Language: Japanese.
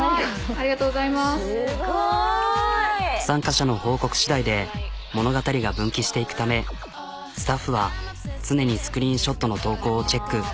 参加者の報告しだいで物語が分岐していくためスタッフは常にスクリーンショットの投稿をチェック。